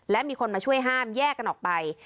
และมีคนมาช่วยห้ามแยกกันออกไป